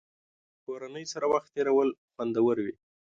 کورنۍ سره وخت تېرول خوندور وي.